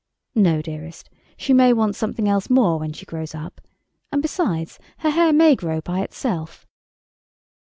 "No, dearest. She may want something else more when she grows up. And besides, her hair may grow by itself."